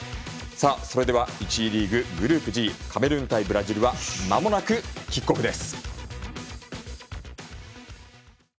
それでは１次リーグ、グループ Ｇ カメルーン対ブラジルまもなくキックオフです。